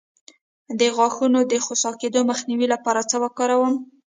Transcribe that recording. د غاښونو د خوسا کیدو مخنیوي لپاره څه وکاروم؟